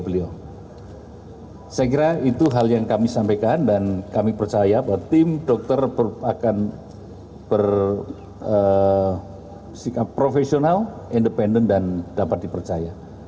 saya kira itu hal yang kami sampaikan dan kami percaya bahwa tim dokter akan bersikap profesional independen dan dapat dipercaya